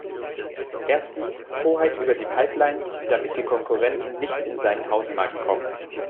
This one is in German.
Erstens Hoheit über die Pipelines, damit die Konkurrenten nicht in seinen Hausmarkt kommen.